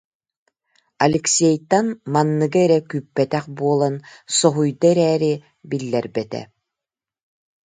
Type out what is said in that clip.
Алексейтан манныгы эрэ күүппэтэх буолан соһуйда эрээри, биллэрбэтэ